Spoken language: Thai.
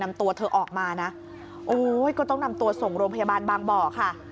นำตัวเธอออกมานะโอ้ยก็ต้องนำตัวส่งโรงพยาบาลบางบ่อค่ะ